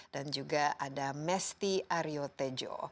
dan juga ada mesty aryotejo